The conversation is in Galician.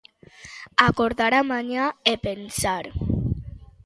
Acordar á mañá e pensar: